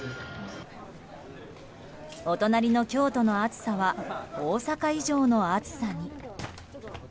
お隣の京都の暑さは大阪以上の暑さに。